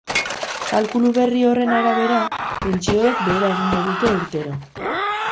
Kalkulu berri horren arabera, pentsioek behera egingo dute urtero.